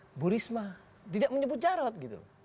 ibu risma tidak menyebut jarod gitu